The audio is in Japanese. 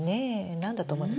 何だと思います？